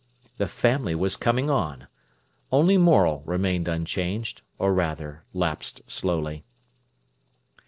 The family was coming on. Only Morel remained unchanged, or rather, lapsed slowly.